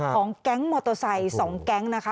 ของแก๊งมอเตอร์ไซค์๒แก๊งนะคะ